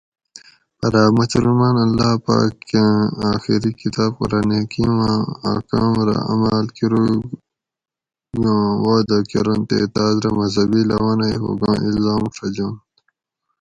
پرہ اۤ مسلمان اللّٰہ پاکاۤں آخری کتاب (قران حکیم) آں احکام رہ عماۤل کرُوگاں وعدہ کرنت تے تاۤس رہ مذہِبی لونئ ہوگاں الزم ڛجنت؟